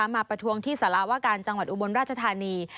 ประท้วงที่สารวาการจังหวัดอุบลราชธานี